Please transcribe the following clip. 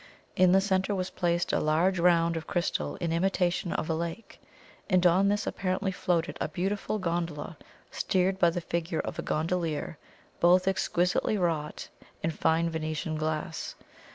In the centre was placed a large round of crystal in imitation of a lake, and on this apparently floated a beautiful gondola steered by the figure of a gondolier, both exquisitely wrought in fine Venetian glass.